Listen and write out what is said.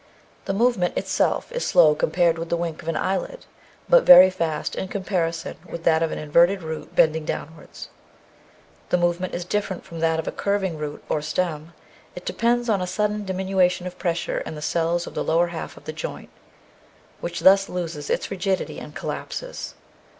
The movement itself is slow compared with the wink of an eyelid, but very fast in comparison with that of an inverted root bending downwards. The movement is different from that of a curving root or stem. It depends on a sudden diminution of pressure in the cells of the lower half of the joint, which thus loses its rigidity and collapses.